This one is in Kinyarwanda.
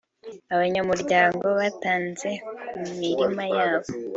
Abanyamuryango batanze ku mirima yabo